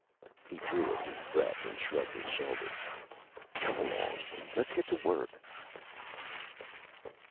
He drew a deep breath and shrugged his shoulders. "Come along! Let's get to work!"